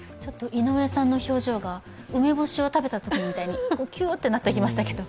井上さんの表情が梅干しを食べたときみたいにきゅーっとなってきましたけど。